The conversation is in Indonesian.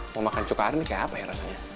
mau makan cukar ini kayak apa ya rasanya